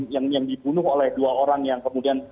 yang dibunuh oleh dua orang yang kemudian